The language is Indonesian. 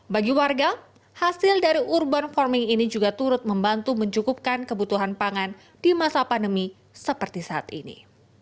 bagi warga hasil dari urban farming ini juga turut membantu mencukupkan kebutuhan pangan di masa pandemi seperti saat ini